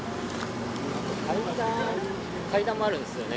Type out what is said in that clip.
階段もあるんすよね。